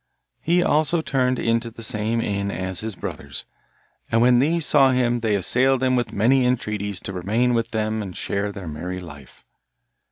He also turned into the same inn as his brothers, and when these saw him they assailed him with many entreaties to remain with them and share their merry life.